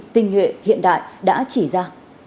tinh huệ hiện đại đã chỉ ra